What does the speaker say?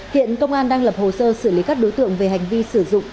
hiện công an đang lập hồ sơ xử lý các đối tượng về hành vi sử dụng